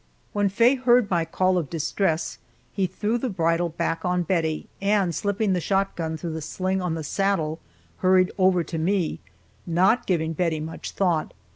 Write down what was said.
When Faye heard my call of distress, he threw the bridle back on Bettie, and slipping the shotgun through the sling on the saddle, hurried over to me, not giving Bettie much thought.